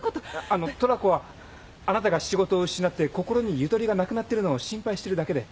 あのトラコはあなたが仕事を失って心にゆとりがなくなってるのを心配してるだけで。